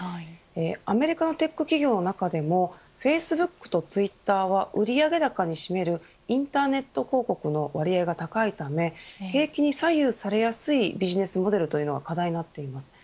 アメリカのテック企業の中でもフェイスブックとツイッターは売上高に占めるインターネット広告の割合が高いため景気に左右されやすいビジネスモデルというのが課題です。